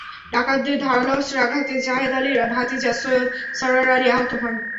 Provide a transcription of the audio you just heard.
ডাকাতদের ধারালো অস্ত্রের আঘাতে জাহেদ আলীর ভাতিজা সৈয়দ সরোয়ার আলী আহত হন।